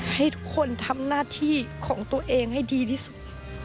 ให้ทุกคนทำหน้าที่ของตัวเองให้ดีที่สุด